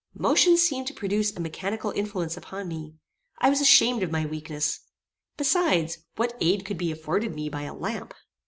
Motion seemed to produce a mechanical influence upon me. I was ashamed of my weakness. Besides, what aid could be afforded me by a lamp?